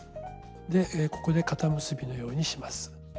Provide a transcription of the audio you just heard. でここで固結びのようにします。